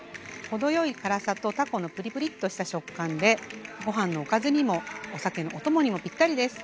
程よい辛さとたこのプリプリッとした食感でごはんのおかずにもお酒のお供にもぴったりです。